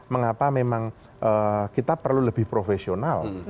mengapa memang kita perlu lebih profesional